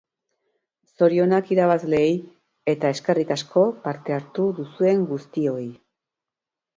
Zorionak irabazleei, eta eskerrik asko parte hartu duzuen guztioi!